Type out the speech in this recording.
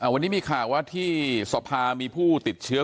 วันนี้มีข่าวว่าที่สภามีผู้ติดเชื้อ